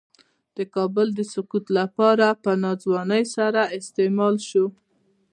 د کابل د سقوط لپاره په ناځوانۍ سره استعمال شو.